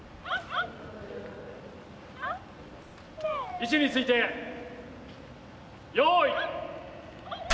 位置について用意。